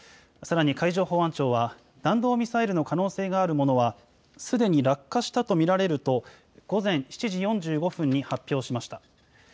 さらに海上保安庁は弾道ミサイルの可能性があるものはすでに落下したと見られると午前７時４５分に発表しました。